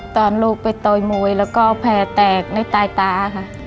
ตอนลูกไปโตยมวยแล้วก็แผลแตกในตายตาค่ะ